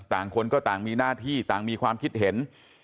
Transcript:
คนก็ต่างมีหน้าที่ต่างมีความคิดเห็น